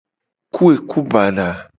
Ku eku bada.